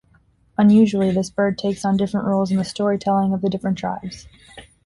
Unusually, this bird takes on different roles in the storytelling of the different tribes.